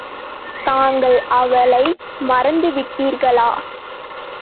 தாங்கள் அவளை மறந்து விட்டீர்களா?